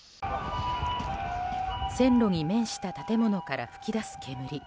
線路に面した建物から噴き出す煙。